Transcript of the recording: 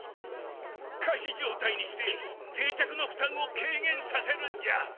仮死状態にして定着の負担を軽減させるんじゃ。